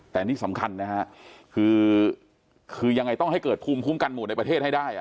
แต่นี่สำคัญนะฮะคือยังไงต้องให้เกิดภูมิคุ้มกันหมู่ในประเทศให้ได้